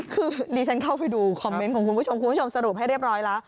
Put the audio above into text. คือดิฉันเข้าไปดูคอมเมนต์ของคุณผู้ชมคุณผู้ชมสรุปให้เรียบร้อยแล้ว